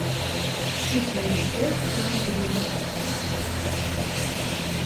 Кӱсеныштем ландрин